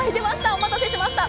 お待たせしました！